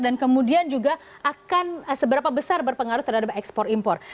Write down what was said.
dan kemudian juga akan seberapa besar berpengaruh terhadap ekspor impor